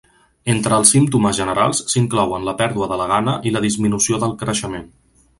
Entre els símptomes generals s'inclouen la pèrdua de la gana i la disminució del creixement.